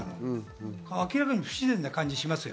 明らかに不自然な感じがします。